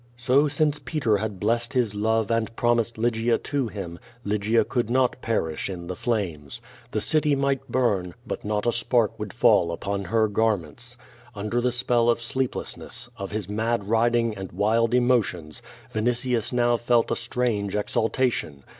So since Peter had blessed his love and promised Lygia to him, Lygia could not perish in the flames. The city might burn, but not a spark would fall upon her garments. Under the spell of sleeplessness, of his mad riding, and wild emotions, \initius now felt a strange exaltation.